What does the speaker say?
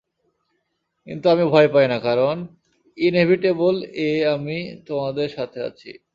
কিন্তু আমি ভয় পাই না, কারণ ইনএভিটেবল-এ আমি তোমাদের সাথে আছি।